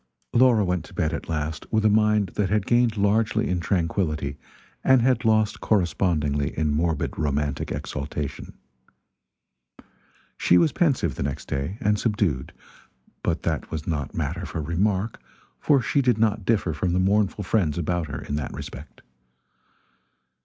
Laura went to bed at last with a mind that had gained largely in tranquility and had lost correspondingly in morbid romantic exaltation. She was pensive, the next day, and subdued; but that was not matter for remark, for she did not differ from the mournful friends about her in that respect.